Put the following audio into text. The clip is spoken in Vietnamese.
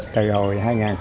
từ hồi hai nghìn tám